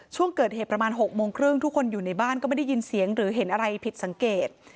ช่วงเกิดเหตุประมาณ๖โมงครึ่งทุกคนอยู่ในบ้านก็ไม่ได้ยินเสียงหรือเห็นอะไรผิดสังเกต